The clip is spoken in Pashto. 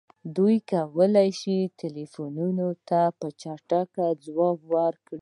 دوی کولی شي ټیلیفونونو ته په چټکۍ ځواب ورکړي